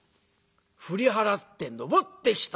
「振り払って登ってきた。